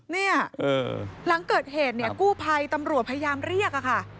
เนี่ยหลังเกิดเหตุเนี่ยกู้ภัยตำรวจพยายามเรียกอะค่ะ